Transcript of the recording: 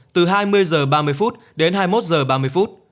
từ hai mươi h ba mươi đến hai mươi một h ba mươi